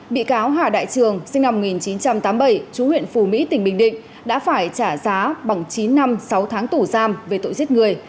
bị cáo hà đại trường sinh năm một nghìn chín trăm tám mươi bảy chú huyện phù mỹ tỉnh bình định đã phải trả giá bằng chín năm sáu tháng tù giam về tội giết người